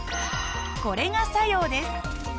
これが作用です。